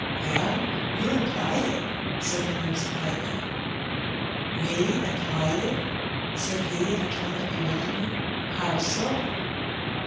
WeD, you implied it/* said the nurse, quietly. Me implied it? said he in a tone of bewilderment. *'How so?